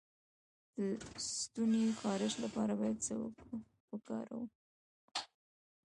د ستوني د خارش لپاره باید څه وکاروم؟